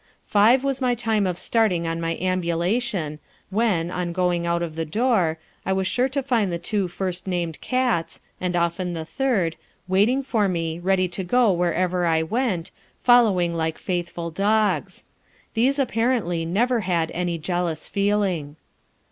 Five was my time of starting on my ambulation, when, on going out of the door, I was sure to find the two first named cats, and often the third, waiting for me, ready to go wherever I went, following like faithful dogs. These apparently never had any jealous feeling.